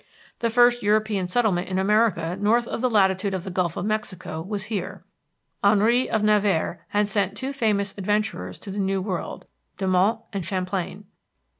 The first European settlement in America north of the latitude of the Gulf of Mexico was here. Henry of Navarre had sent two famous adventurers to the new world, de Monts and Champlain.